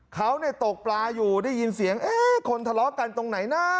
เขาตกปลาอยู่ได้ยินเสียงเอ๊ะคนทะเลาะกันตรงไหนนะ